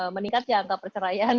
meningkatnya antar perseraian